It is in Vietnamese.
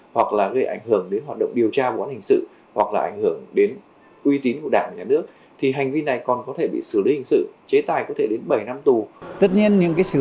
hoặc là gây ảnh hưởng đến hoạt động điều tra của quán hình sự